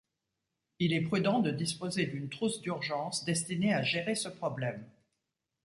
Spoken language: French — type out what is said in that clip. Il est prudent de disposer d’une trousse d’urgence destinée à gérer ce problème.